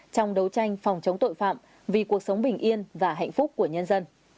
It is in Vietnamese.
trong đấu tranh phòng chống tội phạm vì cuộc sống bình yên và hạnh phúc của nhân dân